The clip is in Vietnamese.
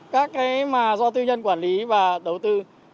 các cái mà do tư nhân quản lý và đầu tư